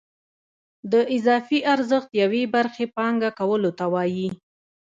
د اضافي ارزښت یوې برخې پانګه کولو ته وایي